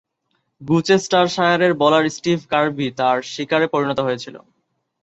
গ্লুচেস্টারশায়ারের bowler Steve Kirby তার শিকারে পরিণত হয়েছিলেন।